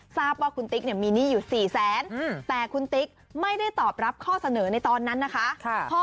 ทราบว่าคุณติ๊กเนี่ยมีหนี้อยู่๔แสนแต่คุณติ๊กไม่ได้ตอบรับข้อเสนอในตอนนั้นนะคะ